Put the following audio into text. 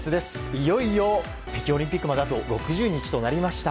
いよいよ北京オリンピックまであと６０日となりました。